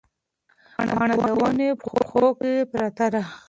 پاڼه د ونې په پښو کې پرته ده.